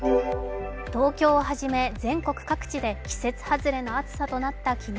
東京をはじめ全国各地で季節外れの暑さとなった昨日。